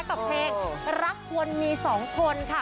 กับเพลงรักควรมีสองคนค่ะ